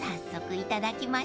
いただきます。